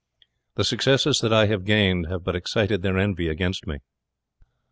The successes that I have gained have but excited their envy against me.